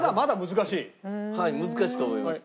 難しいと思います。